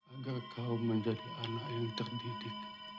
agar kau menjadi anak yang terdidik